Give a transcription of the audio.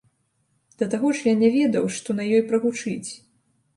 Да таго ж, я не ведаў, што на ёй прагучыць.